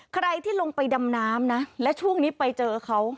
ใครที่ลงไปดำน้ำนะและช่วงนี้ไปเจอเขา